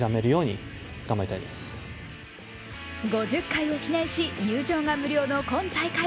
５０回を記念し入場が無料の今大会。